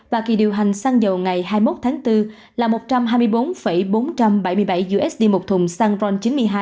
và kỳ điều hành xăng dầu ngày hai mươi một tháng bốn là một trăm hai mươi bốn bốn trăm bảy mươi bảy usd một thùng xăng ron chín mươi hai